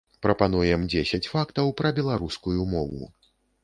Прапануем дзесяць фактаў пра беларускую мову.